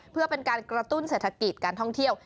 เพื่อเป็นการกระตุ้นเศรษฐกิจการท่องเที่ยว